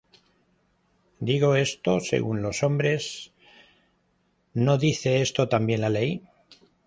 ¿Digo esto según los hombres? ¿no dice esto también la ley?